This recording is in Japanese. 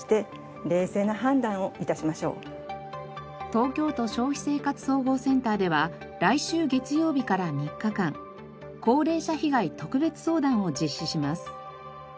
東京都消費生活総合センターでは来週月曜日から３日間高齢者被害特別相談を実施します。